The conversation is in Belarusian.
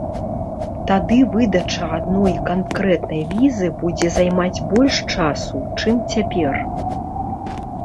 Тады выдача адной канкрэтнай візы будзе займаць больш часу, чым цяпер.